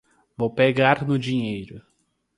Vou pagar no dinheiro.